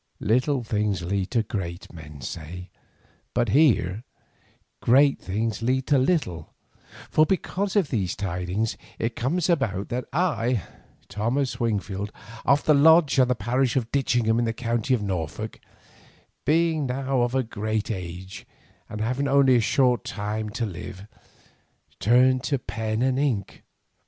Little things lead to great, men say, but here great things lead to little, for because of these tidings it comes about that I, Thomas Wingfield, of the Lodge and the parish of Ditchingham in the county of Norfolk, being now of a great age and having only a short time to live, turn to pen and ink.